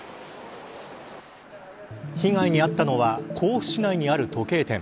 被害に遭ったのは甲府市内にある時計店。